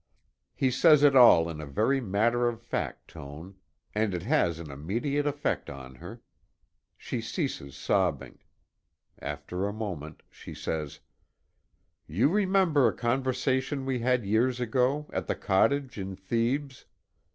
He says it all in a very matter of fact tone, and it has an immediate effect on her. She ceases sobbing. After a moment, she says: "You remember a conversation we had years ago, at the cottage in Thebes?